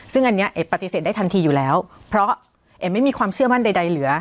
ซึ่งอันนี้เอ๋ปฏิเสธได้ทันทีอยู่แล้วเพราะเอ๋ไม่มีความเชื่อมั่นใดเหลือ